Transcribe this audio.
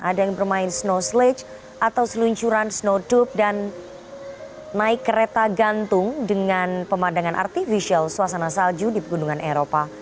ada yang bermain snow slee atau seluncuran snowtup dan naik kereta gantung dengan pemandangan artificial suasana salju di pegunungan eropa